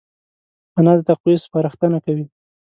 انا د تقوی سپارښتنه کوي